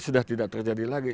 sudah tidak terjadi lagi